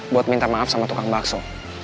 buat minta maaf sama tukang bakso